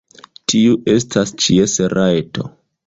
Tiu estas ĉies rajto.